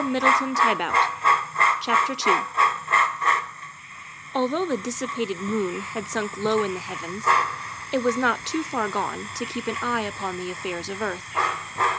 THE SECRETARY OF STATE 23 II ALTHOUGH the dissipated moon had sunk low in the heavens, it was not too far gone to keep an eye upon the affairs of earth.